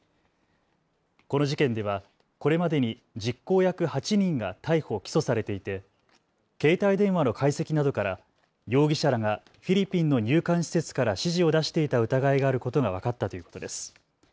この事件ではこれまでに実行役８人が逮捕・起訴されていて携帯電話の解析などから容疑者らがフィリピンの入管施設から指示を出していた疑いがあることが分かったということです。